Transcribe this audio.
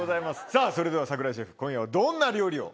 さぁそれでは櫻井シェフ今夜はどんな料理を？